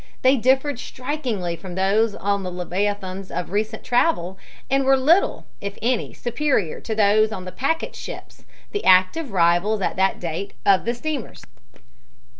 They differed strikingly from those on the leviathans of recent travel and were little, if any, superior to those on the packet ships, the active rivals at that date of the steamers.